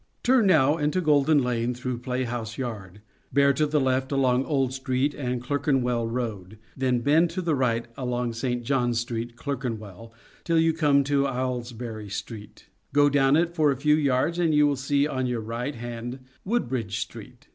Turn now into Golden Lane through Play House Yard, bear to the left along Old Street and Clerkenwell Road, then bend to the right along St. John Street, Clerkenwell) till you come to Aylesbury Street ; go down it for a few yards, and you will see on your right hand Woodbridge Street.